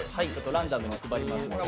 ランダムに配りますので。